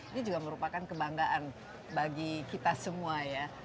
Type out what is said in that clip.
ini juga merupakan kebanggaan bagi kita semua ya